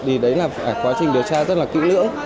thì đấy là quá trình điều tra rất là kỹ lưỡng